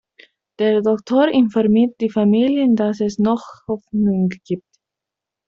Der Doktor informiert die Familien, dass es noch Hoffnung gibt.